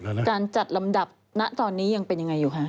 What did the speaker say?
การจัดลำดับณตอนนี้ยังเป็นยังไงอยู่คะ